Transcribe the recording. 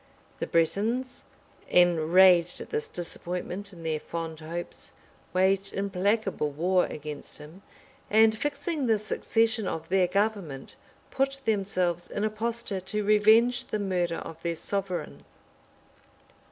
The Bretons, enraged at this disappointment in their fond hopes, waged implacable war against him; and fixing the succession of their government, put themselves in a posture to revenge the murder of their sovereign.